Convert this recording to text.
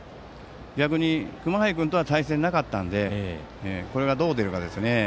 逆に熊谷君とは対戦がなかったのでこれがどう出るかですね。